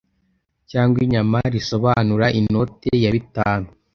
cyangwa inyama risobanura inote ya bitanu